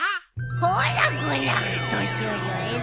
ほらご覧年寄りは偉いね。